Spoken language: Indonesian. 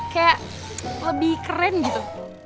kayak lebih keren gitu